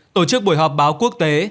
tổ chức buổi họp báo quốc tế